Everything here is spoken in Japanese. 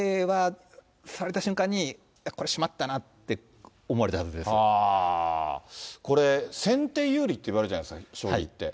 ３三桂は、された瞬間に、これ、しまったなって、これ、先手有利って言われるじゃないですか、将棋って。